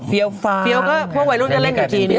เฟียวก็เพราะวัยรุ่นก็เล่นกับทีนี้